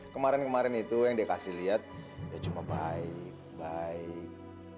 kemarin kemarin itu yang dikasih lihat ya cuma baik baik